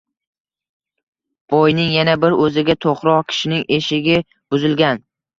Boyning yana bir o‘ziga to‘qroq kishining eshigi buzilgan